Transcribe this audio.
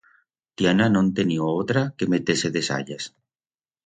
Tiana no'n tenió otra que meter-se de sayas.